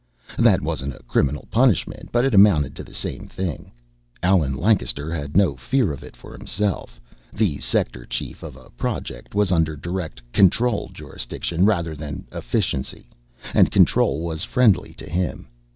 That wasn't a criminal punishment, but it amounted to the same thing. Allen Lancaster had no fear of it for himself; the sector chief of a Project was under direct Control jurisdiction rather than Efficiency, and Control was friendly to him.